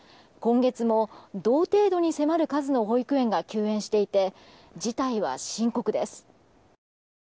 今月も同程度に迫る数の保育園が休園していて事態は深刻です。